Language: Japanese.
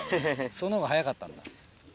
その方が早かったんだ。